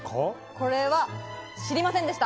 これは知りませんでした。